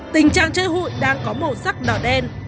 tình trạng chơi hụi đang có màu sắc đỏ đen